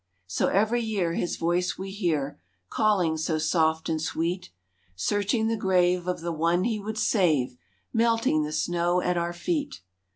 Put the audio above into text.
So every year his voice we hear, Calling so soft and sweet, Searching the grave of the one he would save, Melting the snow at our feet.